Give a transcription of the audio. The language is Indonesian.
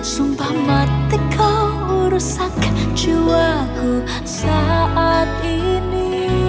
sumpah mati kau rusakkan jiwaku saat ini